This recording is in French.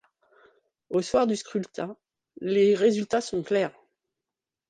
Au soir du scrutin, les résultats sont clairs.